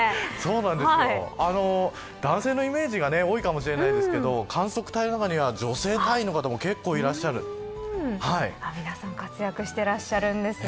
男性のイメージが多いですが観測隊の中には女性隊員の方も皆さん活躍していらっしゃるんですね。